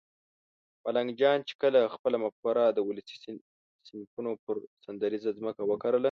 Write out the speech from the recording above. ملنګ جان چې کله خپله مفکوره د ولسي صنفونو پر سندریزه ځمکه وکرله